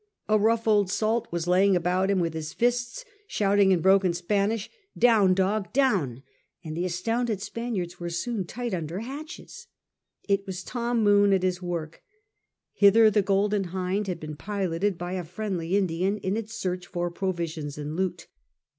A rough old salt was laying about him with his fists, shouting in broken Spanish, "Down, dog, down!" and the astounded Spaniards were soon tight under hatches. It was Tom Moone at his old work. Hither the Golden, Hind had been piloted by a friendly Indian in its search for pro visions and loot.